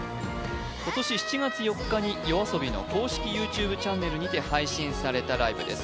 今年７月４日にＹＯＡＳＯＢＩの公式ＹｏｕＴｕｂｅチャンネルにて配信されたライブです